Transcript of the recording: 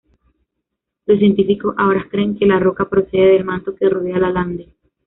Los científicos ahora creen que la roca procede del manto que rodea Lalande.